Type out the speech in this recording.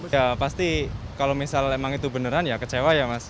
ya pasti kalau misal emang itu beneran ya kecewa ya mas